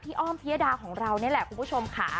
พี่อ้อมพิโยธาข้องเราเนี่ยคุณผู้ชมค่ะ